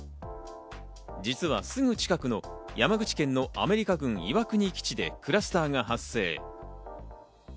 実はすぐ近くの山口県のアメリカ軍・岩国基地でクラスターが発生。